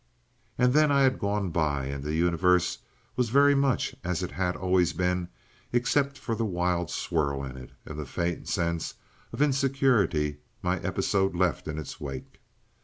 And then I had gone by, and the Universe was very much as it had always been except for the wild swirl in it, and the faint sense of insecurity my episode left in its wake.